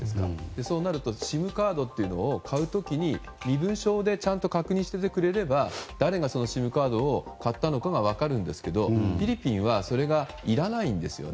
そうなるとＳＩＭカードを買う時に身分証でちゃんと確認していてくれれば誰がそのＳＩＭカードを買ったのかが分かるんですけど、フィリピンはそれがいらないんですよね。